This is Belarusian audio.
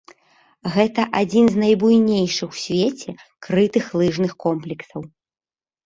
Гэта адзін з найбуйнейшых у свеце крытых лыжных комплексаў.